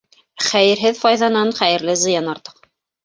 Хәйерһеҙ файҙанан хәйерле зыян артыҡ.